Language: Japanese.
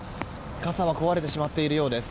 傘は壊れてしまっているようです。